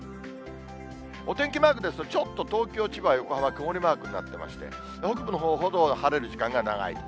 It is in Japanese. お天気マークですと、ちょっと東京、千葉、横浜、曇りマークになっていまして、北部のほうほど晴れる時間が長いと。